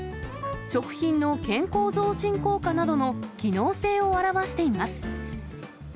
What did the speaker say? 食品の健康増進効果などの機能性を表しています。